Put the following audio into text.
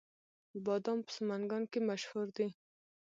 بادام په سمنګان کې مشهور دي